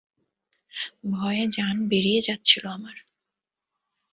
ভয়ে জান বেড়িয়ে যাচ্ছিল আমার।